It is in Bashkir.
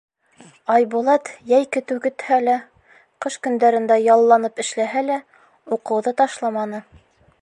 Айбулат йәй көтөү көтһә лә, ҡыш көндәрендә ялланып эшләһә лә, уҡыуҙы ташламаны.